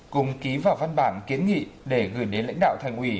cùng ký vào văn bản kiến nghị để gửi đến lãnh đạo thành ủy